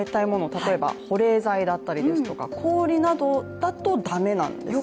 例えば保冷剤だったりですとか氷などだと駄目なんですね。